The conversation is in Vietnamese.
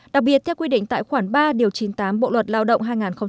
đặc biệt theo quy định tại khoản ba điều chín mươi tám bộ luật lao động hai nghìn một mươi năm